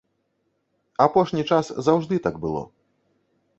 Апошні час заўжды так было.